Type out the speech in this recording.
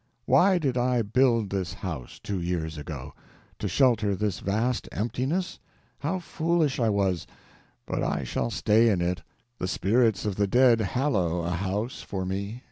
Why did I build this house, two years ago? To shelter this vast emptiness? How foolish I was! But I shall stay in it. The spirits of the dead hallow a house, for me.